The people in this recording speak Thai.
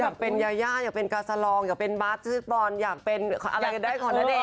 อยากเป็นยาอยากเป็นกาสาลองอยากเป็นบาสอยากเป็นอะไรก็ได้ของนาเนท